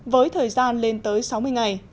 với thời gian lên tới sáu mươi ngày